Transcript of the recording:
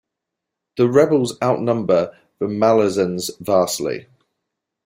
The rebels outnumber the Malazans vastly.